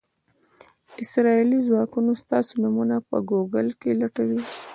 اسرائیلي ځواکونه ستاسو نومونه په ګوګل کې لټوي.